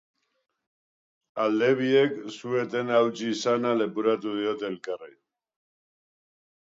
Alde biek su-etena hautsi izana leporatu diote elkarri.